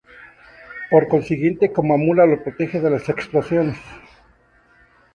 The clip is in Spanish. Por consiguiente Komamura la protege de las explosiones.